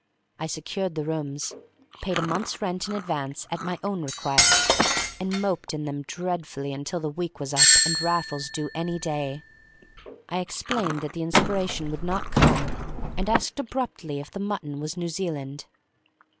I secured the rooms, paid a month's rent in advance at my own request, and moped in them dreadfully until the week was up and Raffles due any day. I explained that the inspiration would not come, and asked abruptly if the mutton was New Zealand.